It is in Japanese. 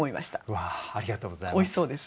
わあありがとうございます。